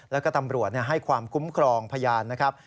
แล้วก็ตำรวจให้ความคุ้มครองพยานนะครับ